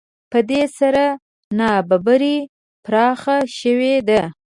په دې سره نابرابري پراخه شوې ده